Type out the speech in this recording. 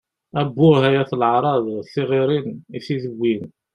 Abbuh, ay at leεṛaḍ! Tiɣiṛin i tid-wwin!